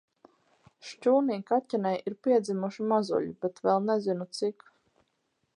Šķūnī kaķenei ir piedzimuši mazuļi, bet vēl nezinu, cik.